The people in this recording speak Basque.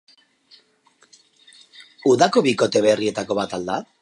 Udako bikote berrietako bat al da?